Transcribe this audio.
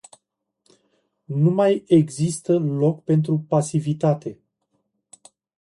Nu mai există loc pentru pasivitate.